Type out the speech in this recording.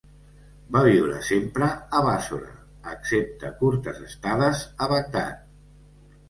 Va viure sempre a Bàssora, excepte curtes estades a Bagdad.